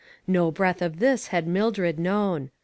No breath of this had Mildred known.